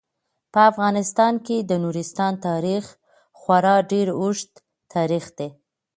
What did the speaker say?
په افغانستان کې د نورستان تاریخ خورا ډیر اوږد تاریخ دی.